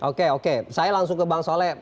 oke oke saya langsung ke bang soleh